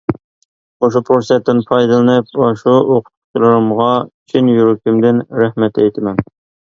مۇشۇ پۇرسەتتىن پايدىلىنىپ ئاشۇ ئوقۇتقۇچىلىرىمغا چىن يۈرىكىمدىن رەھمەت ئېيتىمەن.